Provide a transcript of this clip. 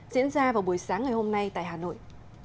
diễn ra vào buổi sáng ngày hôm nay tại hà nội